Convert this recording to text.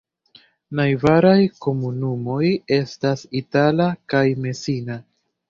Najbaraj komunumoj estas Itala kaj Messina.